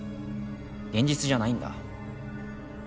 現実じゃないんだ。